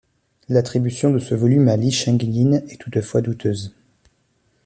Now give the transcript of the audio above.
L'attribution de ce volume à Li Shangyin est toutefois douteuse.